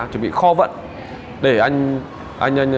chuẩn bị kho vận để anh